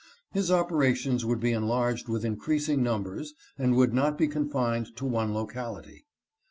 His operations woul'd be enlarged with increas ing numbers and would not be confined to one locality.